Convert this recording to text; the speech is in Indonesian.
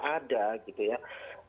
data data statistik yang lain